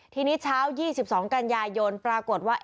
ทีนี้เช้า๒๒กันยายนปรากฏว่า